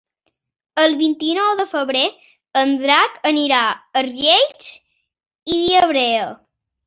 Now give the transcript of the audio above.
El vint-i-nou de febrer en Drac anirà a Riells i Viabrea.